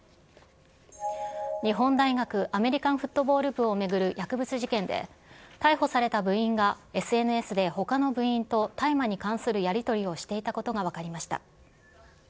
日本大学アメリカンフットボール部を巡る薬物事件で、逮捕された部員がＳＮＳでほかの部員と大麻に関するやり取りをしていたことが分かりました。